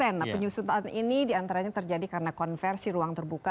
nah penyusutan ini diantaranya terjadi karena konversi ruang terbuka